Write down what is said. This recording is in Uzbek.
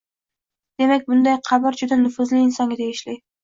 Demak, bunday qabr juda nufuzli insonga tegishli.